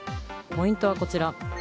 ポイントはこちら。